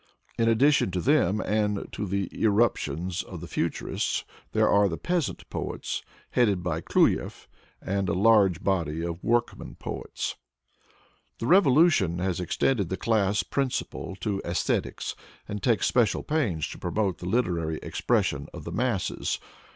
In addition to them and to the irruption of the futurists, there are the peasant poets, headed by Kluyev, and a large body of workman poets. The revolution has ex tended the class principle to aesthetics and takes special pains to promote the literary expression of the masses.